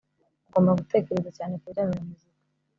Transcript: Ugomba gutekereza cyane kubijyanye na muzika